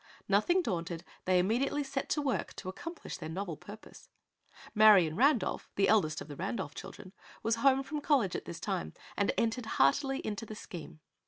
Nothing daunted, they immediately set to work to accomplish their novel purpose. Marion Randolph, the eldest of the Randolph children, was home from college at this time and entered heartily into the scheme.